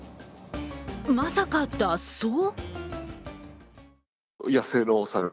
まさか脱走！？